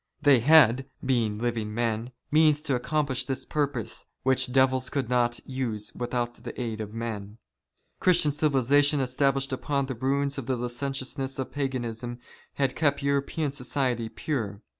They had, being living men, means to accomplish this purpose, which devils could not use without the aid of men. Christian civilization established upon the ruins of the licentiousness of Paganism had kept European society pure.